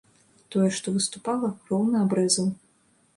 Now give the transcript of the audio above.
Тое, што выступала, роўна абрэзаў.